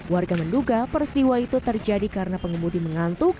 warga menduga peristiwa itu terjadi karena pengemudi mengantuk